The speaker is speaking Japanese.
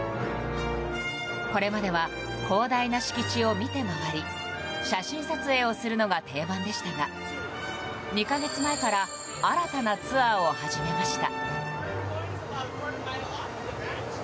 これまでは広大な敷地を見て回り写真撮影をするのが定番でしたが２か月前から新たなツアーを始めました。